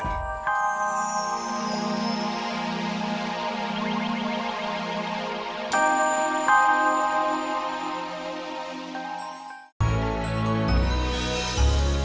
banyak banget rintangnya